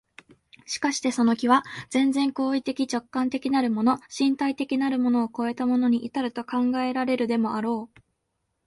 しかしてその極、全然行為的直観的なるもの、身体的なるものを越えたものに到ると考えられるでもあろう。